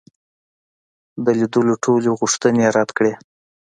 د لیدلو ټولي غوښتني یې رد کړې.